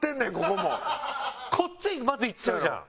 こっちにまずいっちゃうじゃん。